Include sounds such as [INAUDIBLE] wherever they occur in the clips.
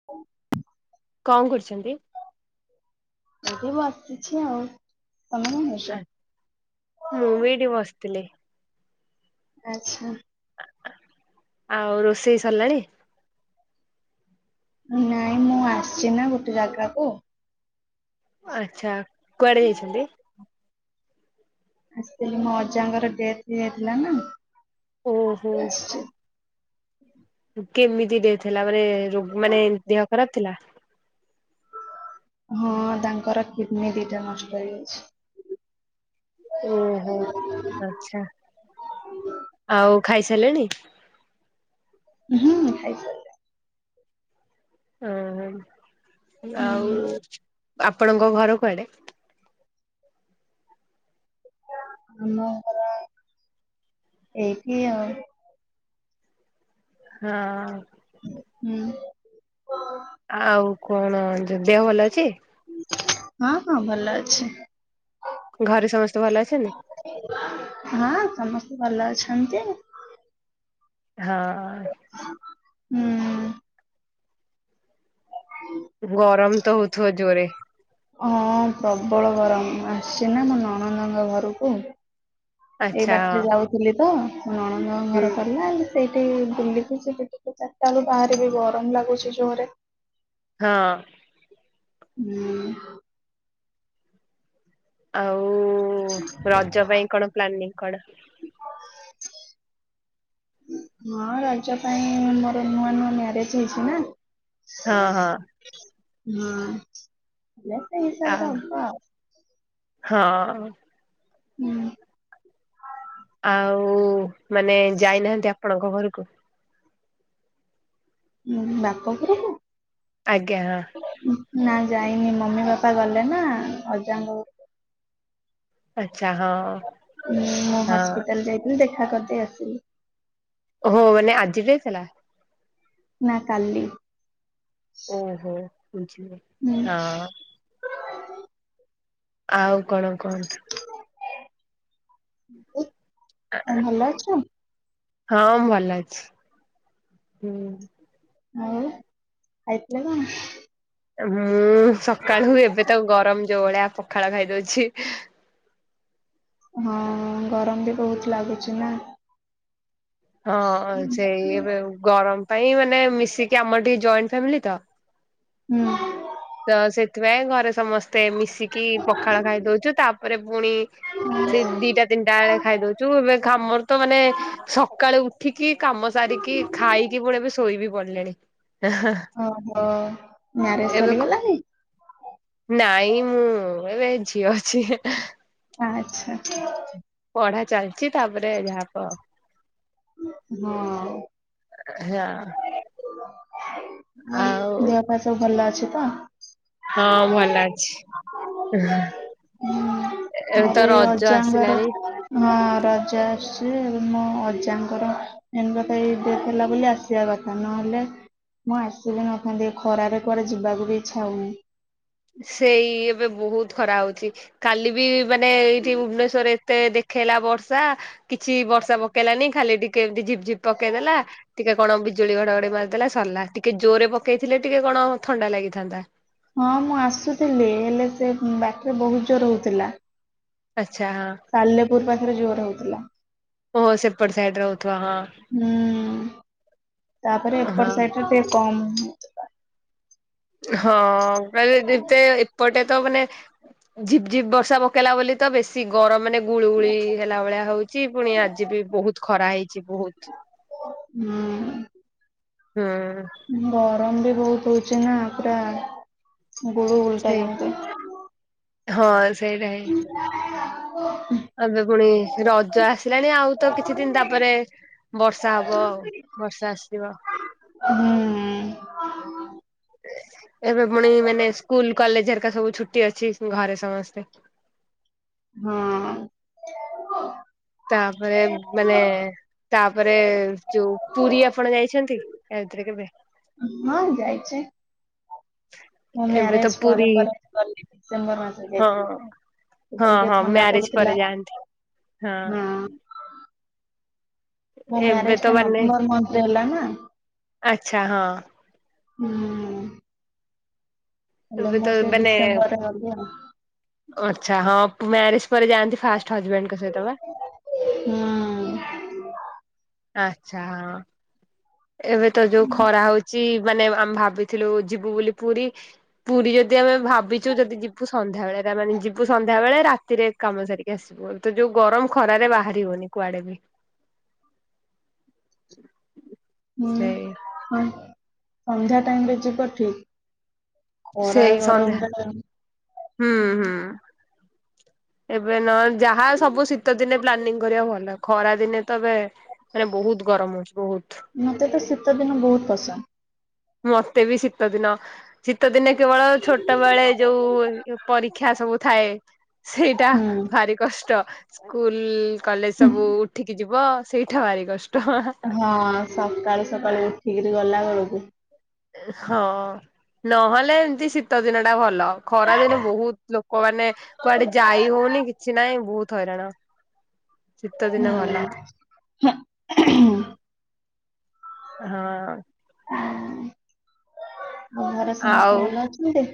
[INAUDIBLE] କଣ କରୁଛନ୍ତି? ଏଇଠି ବସିଚି ଆଉ। ତମେ କଣ କରୁଛ? ହୁଁ ମୁଁ ଏଇଠି ବସିଥିଲି। ଆଚ୍ଛା। ଆଉ ରୋଷେଇ ସରିଲାଣି? ନାଇଁ ମୁଁ ଆସିଛି ନା ଗୋଟେ ଜାଗାକୁ। ଆଚ୍ଛା କୁଆଡେ ଯାଇଛନ୍ତି? ଆସିଥିଲି ମୋ ଅଜାଙ୍କର ଡେଥ୍ ହେଇ ଯାଇଥିଲା ନା। ଓହୋ କେମିତି ଡେଥ୍ ହେଲା ମାନେ-ଏ-ଏ ରୋଗ ମାନେ ଦେହ ଖରାପ ଥିଲା? ହଁ-ଅ ତାଙ୍କର କିଡନୀ ଦିଟା ନଷ୍ଟ ହେଇଯାଇଛି। ଓହୋ ଆଛା ଆଉ ଖାଇସାଇଲେଣି? ହୁଁ ଖାଇ ସାଇଲି। ଅ-ଅ-ଆ ହୁଁ। ଆଉ-ଉ-ଉ ଆପଣଙ୍କ ଘର କୁଆଡେ? ଆମ ଘର-ଅ-ଅ ଏଇଠି ଆଉ। ହଁ-ଅ-ଅ ହୁଁ। ଆଉ କଣ ଯ ଦେହ ଭଲ ଅଛି? ହଁ ହଁ ଭଲ ଅଛି। ଘରେ ସମସ୍ତେ ଭଲ ଅଛନ୍ତି? ହଁ ସମସ୍ତେ ଭଲ ଅଛନ୍ତି। ହଁ-ଅ-ଅ। ହୁଁ-ଉ-ଉ। [UNINTELLIGIBLE] ଗରମ ତ ହଉଥିବ ଜୋରେ? ହଁ ପ୍ରବଳ ଗରମ ମୁଁ ଆସିଛି ନା ମୋ ନନନ୍ଦଙ୍କ ଘରକୁ। ଏଇ ଆଚ୍ଛା ବାଟରେ ହଁ। ଯାଉଥିଲି ତ ନଣନ୍ଦ ହୁଁ, ଘର ପଡ଼ିଲା ସେଇଠି ବୁଲିକି ସେ ଟିକେ ଚାରିଟା ବେଳେ ବାହାରିବି ଗରମ ଲାଗୁଛି ଜୋରରେ। ହଁ ହୁଁ ଆଉ ରଜ ପାଇଁ କଣ ପ୍ଲାନିଂ କଣ? [UNINTELLIGIBLE] ହଁ ରଜ ପାଇଁ ମୋର ନୂଆ ନୂଆ ମ୍ୟାରେଜ ହେଇଛି ନା। ହଁ ହଁ ହଁ, ୟା ତା ଆ ହିସାବରେ ହବ ଆଉ। ହଁ ହୁଁ ଆଉ ମାନେ ଯାଇନାହାନ୍ତି ଆପଣଙ୍କ ଘରକୁ? ହଁ ବାପଘରକୁ? ଆଜ୍ଞା ହଁ ନା ଯାଇନି ମମି ବାପା ଗଲେ ନା ଅଜାଙ୍କ ଆଚ୍ଛା ହଁ। ହଁ ମୁଁ ହଁ ହସ୍ପିଟାଲ ଯାଇଥିଲି ଦେଖା କରିଦେଇ ଆସିଲି। ଓହୋ ମାନେ ଆଜି ଯାଇଥିଲା। ନା କାଲି। ଓହୋ ବୁଝିଲି। ହୁଁ ହଁ ଆଉ କଣ କଣ? ଆଉ ଭଲ ଅଛ ହଁ ମୁଁ ଭଲ ଅଛି ହୁଁ। ଆଉ ଖାଇଥିଲେ କଣ? ମୁଁ ସକାଳୁ ଏବେ ତ ଗରମ ଯୋଉ ଭଳିଆ ପଖାଳ ଖାଇଦଉଛି। ହଁ ଗରମ ବି ବହୁତ ଲାଗୁଛି ନା। ହଁ ସେଇ ଏବେ ଗରମ ପାଇଁ ମାନେ ମିଶିକି ଆମର ଟିକେ ଜଏଣ୍ଟ ଫ୍ୟାମିଲି ତ। ହୁଁ ତ ସେଥିପାଇଁ ଘରେ ସମସ୍ତେ ମିଶିକି ପଖାଳ ଖାଇ ଦଉଛୁ ତାପରେ ପୁଣି ସେ ଦିଟା ତିନିଟା ବେଳେ ଖାଇ ଦଉଛୁ ଏବେ ଆମର ତ ମାନେ ସକାଳୁ ଉଠିକି କାମ ସାରିକି ଖାଇକି ବୋଳେ ବି ଶୋଇ ବିି ପଡିଲେଣି। ଓହୋ ମ୍ୟାରେଜ ଏବେ ସରିଗଲାଣି? ନାଇଁ ମୁଁ ଏବେ ଝିଅ ଅଛି। ଆଚ୍ଛା ପଢା ଚାଲିଛି ତାପରେ ଯାହା ହବ ଆଉ। ହଁ ହଁ ଆଉ ଦେହ ପା ସବୁ ଭଲ ଅଛି ତ? ହଁ ଭଲ ଅଛି। ହୁଁ ଏବେ ମୋର ତ ଏଇ ରଜ ଅଜାଙ୍କର ଆସିଲାଣି। ହଁ ରଜା ଆସୁଛି ଏବେ ମୁଁ ଅଜା ଏନ କଥା ଥିଲା ବୋଲି ଆସିବା କଥା ନହେଲେ ମୁଁ ଆସିବି ନଥାନ୍ତି ଖରାରେ କୁଆଡେ ଯିବାକୁ ବି ଇଚ୍ଛା ହଉନି। ସେଇ ଏବେ ବହୁତ ଖରା ହଉଛି। କାଲି ବି ମାନେ ଏଇଠି ଭୁବନେଶ୍ୱରରେ ଏତେ ଦେଖେଇଲା ବର୍ଷା କିଛି ବର୍ଷା ପକେଇଲାନି ଖାଲି ଟିକେ ଏମତି ଝିପ ଝିପ ପକେଇଦେଲା। ଟିକେ କଣ ବିଜୁଳି ଘଡଘଡି ମାରିଦେଲା ସରିଲା। ଟିକେ ଜୋରରେ ପକେଇଥିଲେ ଟିକେ କଣ ଥଣ୍ଡା ଲାଗିଥାନ୍ତା। ହଁ ମୁଁ ଆସୁଥିଲି ହେଲେ ସେ ବାଟରେ ବହୁତ ଜୋର ହଉଥିଲା। ଆଚ୍ଛା ହଁ। ସାଲେପୁର ପାଖରେ ଜୋର ହଉଥିଲା। ଓହୋ, ସେପଟ ସାଇଡ୍ ରେ ହଉଥିବ ହଁ। ହୁଁ, ତାପରେ ଏପଟ ସାଇଟ୍ ରେ ଟିକେ କମ୍। ହଁ କାରଣ ଯେତେ ଏ ପଟେ ତ ମାନେ ଝିପ୍ ଝିପ୍ ବର୍ଷା ପକେଇଲା ବୋଲି ତ ବେଶୀ ଗରମ ମାନେ ଗୁଳୁ ଗୁଳି ହେଲା ଭଳିଆ ହଉଛି। ପୁଣି ଆଜି ବି ବହୁତ ଖରା ହେଇଛି ବହୁତ। ହୁଁ। ହଁ। ଗରମ ବି ବହୁତ ହଉଛି ନା ପୁରା ଗୁଳୁଗୁଳିଟା ସେଇ ଯେମିତି। ହଁ ସେଇଟା ହି। [INAUDIBLE] ଏବେ ପୁଣି ରଜ ଆସିଲାଣି ଆଉ ତ କିଛି ଦିନ ତାପରେ ବର୍ଷା ହବ ଆଉ, ବର୍ଷା ଆସିବ। ହୁଁ ଏ ଏବେ ପୁଣି ମାନେ ସ୍କୁଲ୍ କଲେଜ୍ ହେରକା ସବୁ ଛୁଟି ଅଛି ଘରେ ସମସ୍ତେ। ହଁ। ତାପରେ ମାନେ ତାପରେ ଯୋଉ, ପୁରୀ ଆପଣ ଯାଇଛନ୍ତି ଆ ଭିତରେ କେବେ? ହଁ ମୁଁ ଯାଇଛି। ମୁଁ ଏବେ ତ ମ୍ୟାରେଜ୍ ପରେ ପୁରୀ ପରେ ଗଲି ଡିସେମ୍ବର ମାସ ହଁ ଯାଇଥିଲି। ହଁ ସେତଲେ ଟିକେ ହଁ ଥଣ୍ଡା ମ୍ୟାରେଜ ପରେ ପଡୁଥିଲା ଯାଆନ୍ତି ହଁ। ମୋ ଏବେ ମ୍ୟାରେଜ୍ ତ ଟା ମାନେ ନଭେମ୍ବର ମନ୍ଥରେ ହେଲା ନା। ଆଚ୍ଛା ହଁ [UNINTELLIGIBLE] ହେଲେ ଏବେ ମୁଁ ତ ସେ ମାନେ ଡିସେମ୍ବରରେ ଗଲି ଆଉ। ଆଚ୍ଛା ହଁ ମ୍ୟାରେଜ୍ ପରେ ଯାଆନ୍ତି ଫାଷ୍ଟ ହଜବେଣ୍ଡ ଙ୍କ ସହିତ ବା। ହଁ। ଆଚ୍ଛା ହଁ। ଏବେ ତ ଯୋଉ ଖରା ହଉଛି ମାନେ ଆମେ ଭାବିଥିଲୁ ଯିବୁ ବୋଲି ପୁରୀ। ପୁରୀ ଯଦି ଆମେ ଭାବିଛୁ ଯଦି ଯିବୁ ସନ୍ଧ୍ୟା ବେଳେ। ରା-ମାନେ ଯିବୁ ସନ୍ଧ୍ୟା ବେଳେ ରାତିରେ କାମ ସାରିକି ଆସିବୁ। ବୁ ତ ଯୋଉ ଗରମ ଖରାରେ ବାହାରିବନି କୁଆଡେ ବି। ମା- ସେଇ ମାନ ସନ୍ଧ୍ୟା ଟାଇମ୍ ରେ ଯିବ ଠିକ। ଖରା ସେଇ ସନ୍ଧ୍ୟା ଗରମରେ ହୁଁ, ହୁଁ ଏବେ ନ ଯାହା ସବୁ ଶୀତ ଦିନେ ପ୍ଲାନିଂ କରିବା ଭଲ। ଖରା ଦିନେ ତ ଏବେ ମାନେ ବହୁତ ଗରମ ହଉଛି ବହୁତ। ମୋତେ ତ ଶୀତଦିନ ବହୁତ ପସନ୍ଦ। ମୋତେ ବି ଶୀତଦିନ। ଶୀତ ଦିନେ କେବଳ ଛୋଟ ବେଳେ ଯୋଉ ଏ ପରୀକ୍ଷା ସବୁ ଥାଏ। ସେଇଟା ହୁଁ ଭାରି କଷ୍ଟ ସ୍କୁଲ୍ କଲେଜ୍ ସବୁ ଉଠିକି ଯିବ ସେଇଠା ଭାରି କଷ୍ଟ। ହଁ ସକାଳୁ ସକାଳୁ ଉଠିକିରି ଗଲା ବେଳକୁ। ହଁ ନହେଲେ ଏମତି ଶୀତ ଦିନ ଟା ଭଲ। ଖରାଦିନେ ବହୁତ ଲୋକମାନେ କୁଆଡେ ଯାଇ ହଉନି, କିଛି ନାହିଁ ବହୁତ ହଇରାଣ। ଶୀତ ଦିନେ ହୁଁ, ଭଲ ହଁ। ହଁ। ହଁ ଘରେ ଆଉ ସମସ୍ତେ ଭଲ ଅଛନ୍ତି?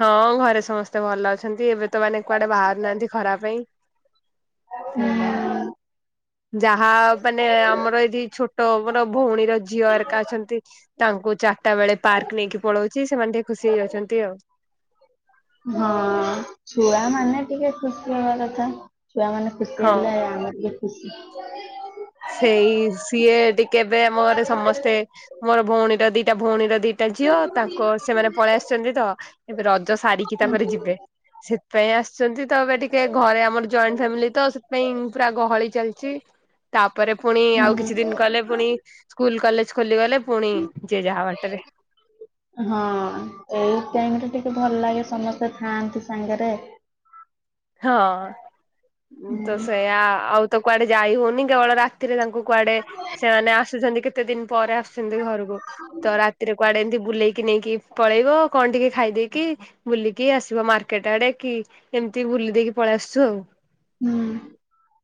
ହଁ ଘରେ ସମସ୍ତେ ଭଲ ଅଛନ୍ତି। ଏବେ ତ ମାନେ କୁଆଡେ ବାହାରୁ ନାହାନ୍ତି ଖରା ପାଇଁ। ହୁଁ ସେଇଟା। ଯାହା ମାନେ ଆମର ଏଠି ଛୋଟ ମୋର ଭଉଣୀର ଝିଅ ଏରିକା ଅଛନ୍ତି। ତାଙ୍କୁ ଚାରିଟା ବେଳେ ପାର୍କ ନେଇକି ପଳଉଛି। ସେମାନେ ଟିକେ ଖୁସି ହେଇ ଅଛନ୍ତି ଆଉ। ହଁ ଛୁଆମାନେ ଟିକେ ଖୁସି ହେବା କଥା ଛୁଆମାନେ ଖୁସି ହଁ। ହେଲେ ଆମର ବି ଖୁସି। ସେଇ ସିଏ ଟିକେ ଏବେ ଆମ ଘରେ ସମସ୍ତେ ମୋର ଭଉଣୀର ଦିଟା ଭଉଣୀର ଦିଟା ଟା ଝିଅ ତାଙ୍କୁ ସେମାନେ ପଳେଇ ଆସିଛନ୍ତି ତ ଏବେ ରଜ ସାରିକି ତାପରେ ଯିବେ। ସେଥିପାଇଁ ଆସୁଛନ୍ତି ତ ଏବେ ଟିକେ ଘରେ ଆମର ଜଏଣ୍ଟ ଫ୍ୟାମିଲି ତ ସେଥିପାଇଁ ପୁରା ଗହଳି ଚାଲିଛି। ତାପରେ ପୁଣି ଆଉ ହୁଁ କିଛି ଦିନ କଲେ ପୁଣି ସ୍କୁଲ କଲେଜ ଖୋଲିଗଲେ ପୁଣି ଯିଏ ଯାହା ବାଟରେ [INAUDIBLE] ହଁ ଏଇ ଟାଇମ ରେ ଟିକେ ଭଲ ଲାଗେ ସମସ୍ତେ ଥାଆନ୍ତି ସାଙ୍ଗେରେ। ହଁ ତ ହୁଁ ସେୟା ଆଉ ତ କୁଆଡେ ଯାଇ ହଉନି କେବଳ ରାତିରେ ତାଙ୍କୁ କୁଆଡେ ସେମାନେ ଆସୁଛନ୍ତି କେତେ ଦିନ ପରେ ଆସିୁଛନ୍ତି ଘରକୁ। ତ ରାତିରେ କୁଆଡେ ଏମିତି ବୁଲେଇକି ନେଇକି ପଳେଇବ କଣ ଟିକେ ଖାଇଦେଇକି ବୁଲିକି ଆସିବ ମାର୍କେଟ ଆଡେ କି ଏମତି ତି ବୁଲି ଦେଇକି ପଳେଇ ଆସୁଛୁ ଆଉ। ହୁଁ।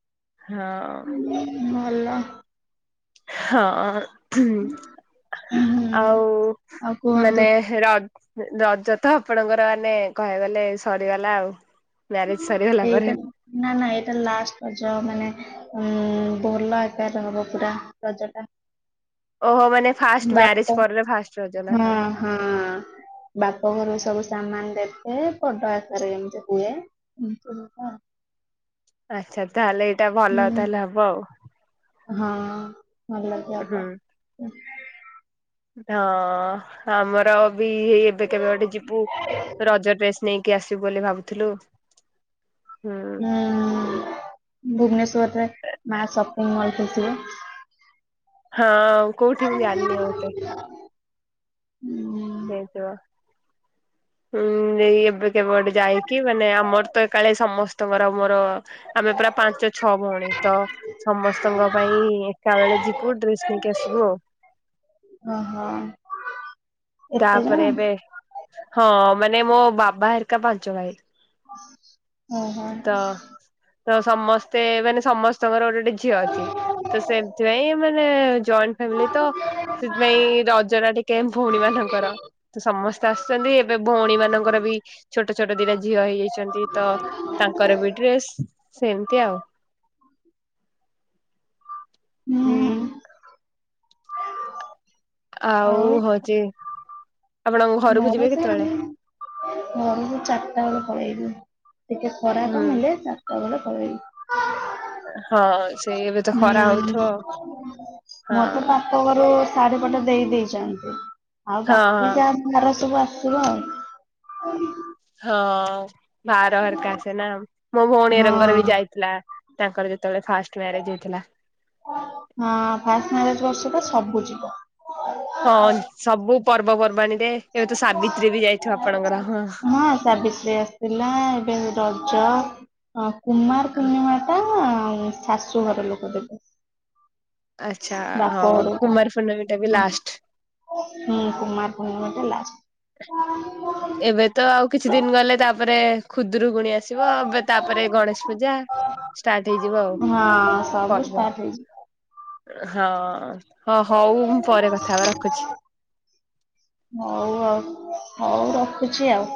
ହଁ। ଭଲ। ହଁ। ହୁଁ ହୁଁ ଆଉ ଆଉ କୁହନ୍ତୁ। ମାନେ ର ରଜ ତ ଆପଣଙ୍କର ମାନେ କହିବାକୁ ଗଲେ ସରିଗଲା ଆଉ। ମ୍ୟାରେଜ ସରିଗଲା ପରେ ଏଇଟା ନା ନା ଏଇଟା ଲାଷ୍ଟ ରଜ ମାନେ ଉଁ ଭଲ ଆକାର ହବ ପୁରା ରଜ ଟା। ଓହୋ ମାନେ ଫାଷ୍ଟ ବାପ ମ୍ୟାରେଜ ପରର ଫାଷ୍ଟ ରଜ ନା ହଁ କଣ? ହଁ। ବାପ ଘରୁ ସବୁ ସାମାନ ଦେଖେ ବଡ ଆକାରରେ ଏମିତି ହୁଏ। ଆଛା ତାହେଲେ ଏଇଟା ଭଲ ହୁଁ ତାହେଲେ ହବ ଆଉ। ହଁ ଭଲ କି ହବ ହୁଁ। [UNINTELLIGIBLE] ହଁ ଆମର ବି ହେଇ ଏବେ କେବେ ଗୋଟେ ଯିବୁ ରଜ ଡ୍ରେସ୍ ନେଇକି ଆସିବୁ ବୋଲି ଭାବୁଥିଲୁ ହୁଁ। ହୁଁ ଭୁବନେଶ୍ଵରରେ ମା ସପିଙ୍ଗ ମଲଟେ ଥିବ। ହଁ କଉଠି ମୁଁ ଯାଣିନି ଆଉ ଏତେ। ହେଇଥିବ ହୁଁ। ଏଇ ଏବେ କେବେଗୋଟେ ଯାଇକି ମାନେ ଆମର ତ ଏକାଳେ ସମସ୍ତେ ତମର ମୋର ଆମେ ପ୍ରାୟ ପାଞ୍ଚ ଛଅ ଭଉଣୀ ତ ସମସ୍ତଙ୍କ ପାଇଁ ଏକା ବେଳେ ଯିବୁ ଡ୍ରେସ ନେଇକି ଆସିବୁ ଆଉ। ଓ ହୋ। ତାପରେ ଏବେ ହଁ ମାନେ ମୋ ବାବା ହେରିକା ପାଞ୍ଚ ଭାଇ। ଓହୋ ତ ସମସ୍ତେ ମାନେ ସମସ୍ତଙ୍କର ଗୋଟେ ଗୋଟେ ଝିଅ ଅଛି ତ ସେଥିପାଇଁ ମାନେ ଜଏଣ୍ଟ ଫାମିଲି ତ ସେଥିପାଇଁ ରଜ ଟା ଟିକେ ଭଉଣୀ ମାନ ସମସ୍ତେ ଆସୁଛନ୍ତି ଏବେ ଭଉଣୀ ମାନଙ୍କର ବି ଛୋଟ ଛୋଟ ଦିଟା ଝିଅ ହେଇଯାଇଛନ୍ତି। ତ ତାଙ୍କର ବି ଡ୍ରେସ୍ ସେମତି ଆଉ। [UNINTELLIGIBLE] ହୁଁ। ଆଉ ହଉଛି ଆପଣ ଘରକୁ ମୋର ଯିବେ ସେ କେତେବେଳେ? ଆମ ଘରକୁ ଚାରିଟା ବେଳେ ପଳେଇବୁ ଟିକେ ଖରା ହୁଁ କମିଲେ ଚାରିଟା ବେଳେ ପଳେଇବୁ। ହଁ ସେଇ ଏବେ ତ ଖରା ହଉଥିବ ହୁଁ ମଁ ତ ହଁ ପା ଲ ଘରୁ ଶାଢୀ ପଟେ ଦେଇ ଦେଇେଇଛନ୍ତି ଆଉ ହଁ ହଁ ବାକି ଯାହା ଭାର ସବୁ ଆସିବ ଆଉ। ହଁ ଭାର ହରିକା ସେନା ମୋ ଭଉଣୀ ରଙ୍ଗର ବି ହଁ। ଯାଇଥିଲା। ତାଙ୍କର ଯେତେବେଳେ ଫାଷ୍ଟ ମ୍ୟାରେଜ ହେଇଥିଲା। ହଁ ଫାଷ୍ଟ ମ୍ୟାରେଜ ବର୍ଷ ତ ସବୁ ଯିବ। ହଁ ସବୁ ପର୍ବପର୍ବାଣିରେ। ହଁ ସାବିତ୍ରୀ ରେ। ଥିଲା ଏବେ ରଜ, କୁମାର ପୂର୍ଣ୍ଣିମା ତା ଶାଶୁ ଘର ଲୋକ ଦେବେ। ଆଚ୍ଛା ବାପ ହଉ ଘରକୁ କୁମାର ପୂର୍ଣ୍ଣିମା ଟା ବି ଲାଷ୍ଟ। ହୁଁ କୁମାର ପୂର୍ଣ୍ଣିମା ଟା ଲାଷ୍ଟ୍। ଏବେ ତ ଆଉ କିଛି ଦିନ ଗଲେ ତାପରେ ଖୁଦୁରୁ କୁଣି ଆସିବ ଏବେ ତାପରେ ଗଣେଶ ପୂଜା ଷ୍ଟାର୍ଟ ହେଇଯିବ ଆଉ। ହଁ ସବୁ ପର୍ବ ଷ୍ଟାର୍ଟ। ହେଇଯିବ। ହଁ ହଁ ହଉ ମୁଁ ପରେ କଥା ହେବା ରଖୁଛି। ହଉ ଆଉ ହଉ ରଖୁଛି ଆଉ।